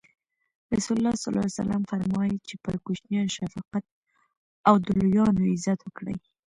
رسول الله ص فرمایي: چی پر کوچنیانو شفقت او او د لویانو عزت وکړي.